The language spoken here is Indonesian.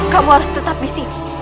kamu harus tetap di sini